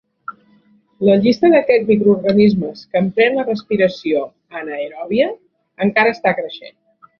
La llista d'aquests microorganismes que empren la respiració anaeròbia, encara està creixent.